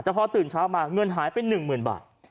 แต่พอตื่นเช้ามาเงินหายไป๑๐๐๐บาท